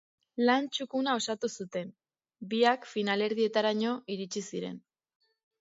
Lan txukuna osatu zuten, biak finalerdietaraino iritsi ziren.